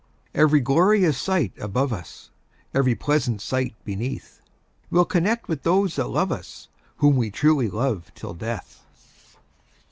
Every glorious sight above us, Every pleasant sight beneath, We'll connect with those that love us, Whom we truly love till death!